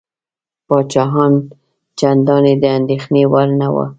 پاچاهان چنداني د اندېښنې وړ نه وه.